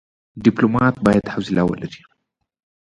ډيپلومات بايد حوصله ولري.